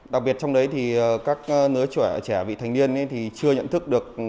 đặc biệt trong đấy thì các đứa trẻ vị thành niên thì chưa nhận thức được